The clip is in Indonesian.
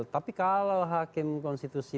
tapi kalau hakim konstitusi